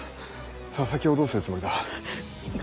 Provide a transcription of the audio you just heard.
佐々木をどうするつもりだ？